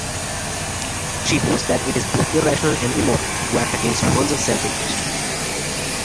She holds that it is both irrational and immoral to act against one's self-interest.